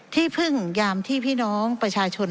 ที่พึ่งยามที่พี่น้องประชาชน